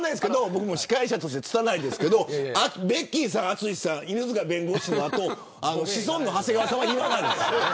僕も司会者として拙いですけどベッキーさん、淳さん犬塚弁護士の後シソンヌ長谷川さんは言わないです。